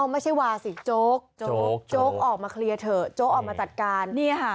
ไม่ใช่วาสิโจ๊กโจ๊กออกมาเคลียร์เถอะโจ๊กออกมาจัดการ